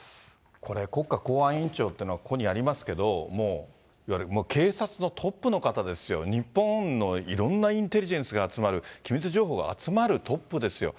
これ、国家公安委員長っていうのは、ここにありますけど、もういわゆる警察のトップの方ですよ、日本のいろんなインテリジェンスが集まる、機密情報が集まるトップですよ。